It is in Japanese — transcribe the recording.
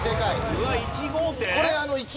うわっ１号店？